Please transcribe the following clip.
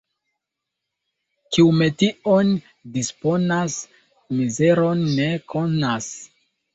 Kiu metion disponas, mizeron ne konas.